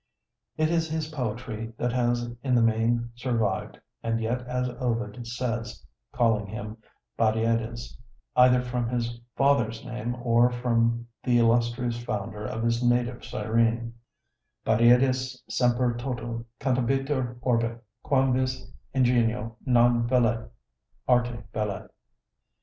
It is his poetry that has in the main survived, and yet as Ovid says calling him Battiades, either from his father's name or from the illustrious founder of his native Cyrene "Battiades semper toto cantabitur orbe: Quamvis ingenio non valet, arte valet."